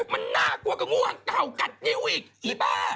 มันน่ากลัวกับงูห่างเก่ากัดนิ้วอีบ้า